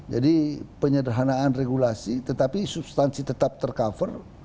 jadi penyederhanaan regulasi tetapi substansi tetap tercover